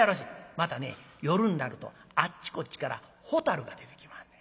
またね夜になるとあっちこっちからホタルが出てきまんねん。